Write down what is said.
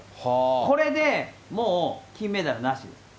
これでもう、金メダルなし。